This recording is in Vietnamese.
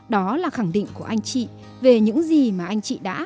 đó là khẳng định của anh chị về những gì mà anh chị đã